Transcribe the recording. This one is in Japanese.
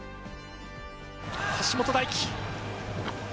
橋本大輝